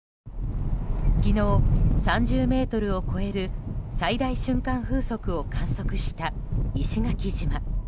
昨日、３０メートルを超える最大瞬間風速を観測した石垣島。